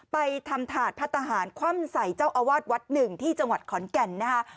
ไปทำถาดพัฒนาหารคว่ำใส่เจ้าอาวาสวัดหนึ่งที่จังหวัดขอนแก่นนะคะ